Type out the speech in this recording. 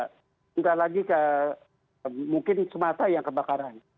sebentar lagi mungkin sumatera yang kebakaran